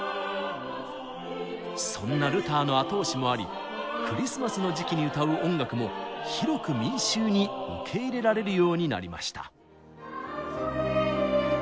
そんなルターの後押しもありクリスマスの時期に歌う音楽も広く民衆に受け入れられるようになりました。